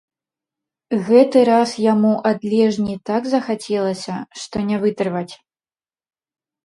Гэты раз яму ад лежні так захацелася, што не вытрываць.